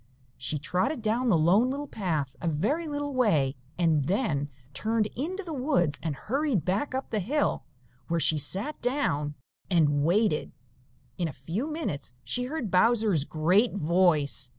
She trotted down the Lone Little Path a very little way and then turned into the woods and hurried back up the hill, where she sat down and waited. In a few minutes she heard Bowser's great voice.